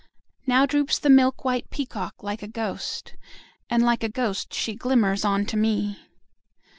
Now droops the milk white peacock like a ghost, 5 And like a ghost she glimmers on to me.